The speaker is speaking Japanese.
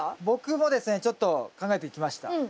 僕もですねちょっと考えてきました。